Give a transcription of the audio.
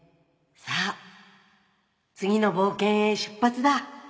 「さぁ次の冒険へ出発だ！」